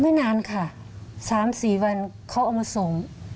ไม่นานค่ะ๓๔วันเขาเอามาส่ง